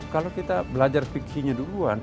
kalau kita belajar fiksinya duluan